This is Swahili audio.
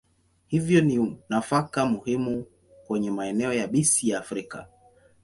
Hivyo ni nafaka muhimu kwenye maeneo yabisi ya Afrika.